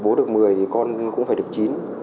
bố được một mươi thì con cũng phải được chín